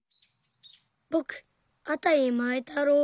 ぼくあたりまえたろう。